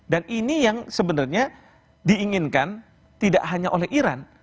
dan ini yang sebenarnya diinginkan tidak hanya oleh iran